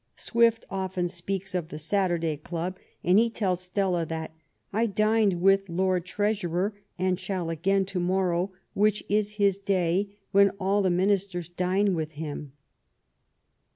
Swift often speaks of the Saturday Club ; he tells Stella that '^ I dined with lord treasurer, and shall again to morrow, which is his day when all the min isters dine with him.